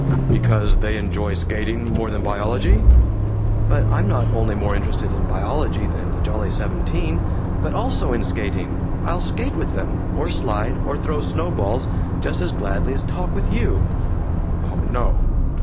"Because they enjoy skating more than biology?" "But I'm not only more interested in biology than the Jolly Seventeen, but also in skating! I'll skate with them, or slide, or throw snowballs, just as gladly as talk with you." ("Oh no!")